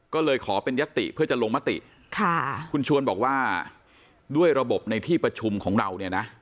ก็เลยขอเป็นยัตติเพื่อจะลงมติค่ะคุณชวนบอกว่าด้วยระบบในที่ประชุมของเราเนี่ยนะ